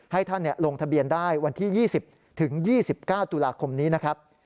ให้ท่านลงทะเบียนได้วันที่๒๐ถึง๒๙ตุลาคมนี้นะครับ